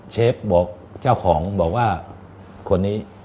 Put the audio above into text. เชฟบอกเจ้าของบอกว่าคนนี้